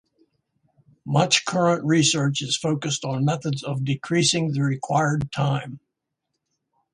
Much current research is focused on methods of decreasing the required time.